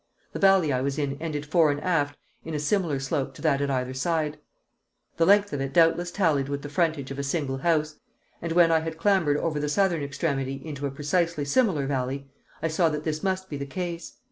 The valley I was in ended fore and aft in a similar slope to that at either side; the length of it doubtless tallied with the frontage of a single house; and when I had clambered over the southern extremity into a precisely similar valley I saw that this must be the case.